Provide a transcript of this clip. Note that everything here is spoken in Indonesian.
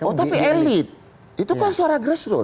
oh tapi elit itu kan suara grassroot